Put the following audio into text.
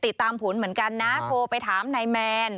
ติดตามผลเหมือนกันนะโทรไปถามนายแมน